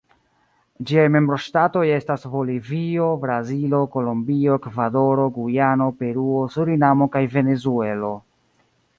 Ĝiaj membroŝtatoj estas Bolivio, Brazilo, Kolombio, Ekvadoro, Gujano, Peruo, Surinamo kaj Venezuelo.